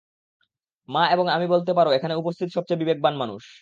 মা এবং আমি বলতে পারো এখানে উপস্থিত সবচেয়ে বিবেকবান মানুষ।